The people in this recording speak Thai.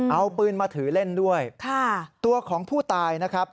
เอาปืนมาถือเล่นด้วยตัวของผู้ตายนะครับ